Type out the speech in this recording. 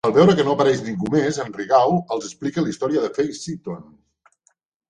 Al veure que no apareix ningú més, en Rigaud els explica la història de la Fay Seton.